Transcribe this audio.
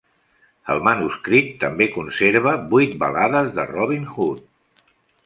El manuscrit també conserva vuit balades de Robin Hood.